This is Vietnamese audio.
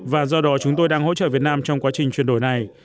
và do đó chúng tôi đang hỗ trợ việt nam trong quá trình chuyển đổi này